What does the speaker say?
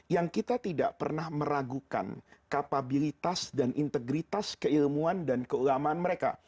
yang kita tidak pernah meragukan kapabilitas dan integritas keilmuan dan keulamaan mereka